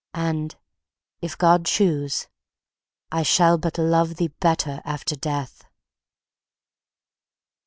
—and, if God choose, I shall but love thee better after death.